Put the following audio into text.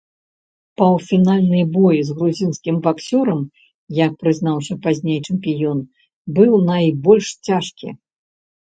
Паўфінальны бой з грузінскім баксёрам, як прызнаўся пазней чэмпіён, быў найбольш цяжкі.